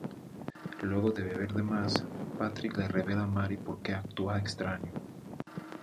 Luego de beber de más, Patrick le revela a Mary porque actúa extraño.